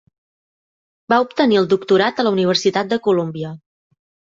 Va obtenir el doctorat a la Universitat de Columbia.